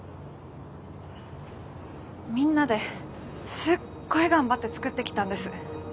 みんなですっごい頑張って作ってきたんです。